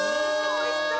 おいしそう！